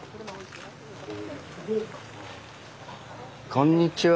こんにちは。